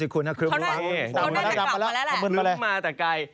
กลับมาแต่ไกล